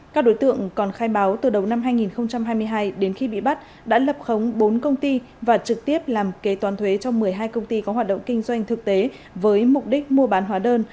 các đối tượng còn khai báo từ đầu năm hai nghìn hai mươi hai đến khi bị bắt đã lập khống bốn công ty và trực tiếp làm kế toán thuế cho một mươi hai công ty có hoạt động kinh doanh thực tế với mục đích mua bán hóa đơn